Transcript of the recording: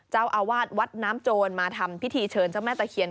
เจ้าอาวาสวัดน้ำโจรมาทำพิธีเชิญเจ้าแม่ตะเคียน